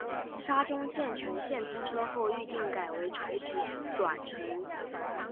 沙中线全线通车后预定改为垂直转乘。